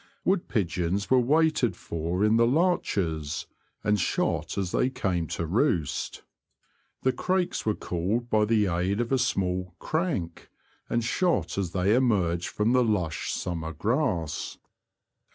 Wood pigeons were waited for in the larches, and shot as they came to roost. The crakes were called by the aid of a small '' crank," and shot as they emerged from the lush summer grass.